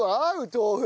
豆腐。